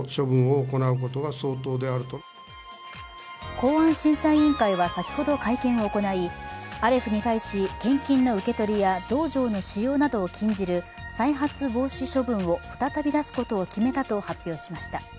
公安審査委員会は先ほど会見を行いアレフに対し、献金の受け取りや道場の使用などを禁じる再発防止処分を再び出すことを決めたと発表しました。